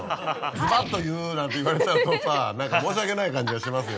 「ズバッと言う」なんて言われちゃうとさ何か申し訳ない感じがしますよ。